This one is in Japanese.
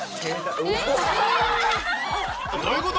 どういうこと？